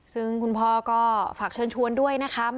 ซึ่งคุณพ่อก็ฝากเชิญชวนด้วยนะคะ